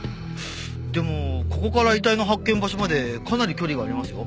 でもここから遺体の発見場所までかなり距離がありますよ。